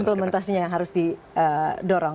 implementasinya yang harus didorong